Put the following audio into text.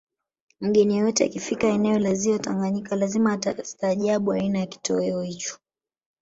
Mgeni yeyote akifika eneo la ziwa Tanganyika lazima atastahajabu aina ya kitoweo hicho